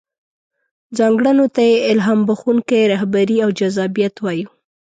ځانګړنو ته يې الهام بښونکې رهبري او جذابيت وايو.